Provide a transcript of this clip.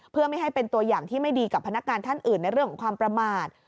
เพื่อไม่ให้เป็นตัวอย่างที่ไม่ดีกับพนักงานท่านอื่นในเรื่องของความประมาท